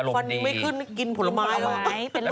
ไม่ขึ้นไม่กินผลมัน